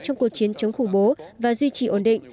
trong cuộc chiến chống khủng bố và duy trì ổn định